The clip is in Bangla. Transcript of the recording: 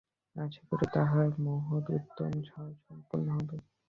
আশা করি তাঁহার মহৎ উদ্যম সুসম্পন্ন হবে।